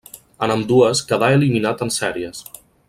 En ambdues quedà eliminat en sèries.